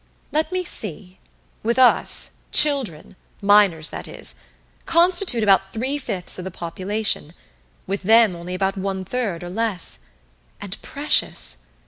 Let me see with us, children minors, that is constitute about three fifths of the population; with them only about one third, or less. And precious